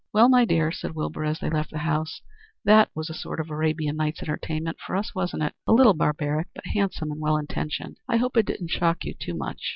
"Well, my dear," said Wilbur as they left the house, "that was a sort of Arabian Nights entertainment for us, wasn't it? A little barbaric, but handsome and well intentioned. I hope it didn't shock you too much."